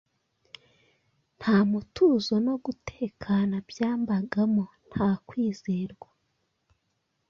Nta mutuzo no gutekana byambagamo, nta kwizerwa,